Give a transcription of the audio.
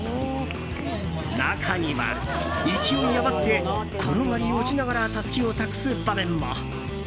中には、勢い余って転がり落ちながらたすきを託す場面も。